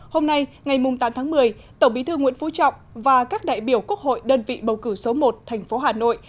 hôm nay ngày tám tháng một mươi tổng bí thư nguyễn phú trọng và các đại biểu quốc hội đơn vị bầu cử số một thành phố hà nội